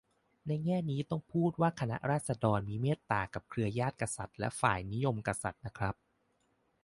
ในแง่นี้ ต้องพูดว่าคณะราษฎรมีเมตตากับเครือญาติกษัตริย์และฝ่ายนิยมกษัตริย์นะครับ